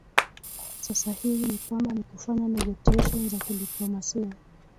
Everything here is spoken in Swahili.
sasa hivi ni kwamba ni kufanya negotiation za kidiplomasia